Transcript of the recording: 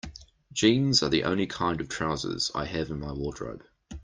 Jeans are the only kind of trousers I have in my wardrobe.